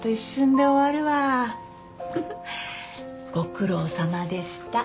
フフッご苦労さまでした。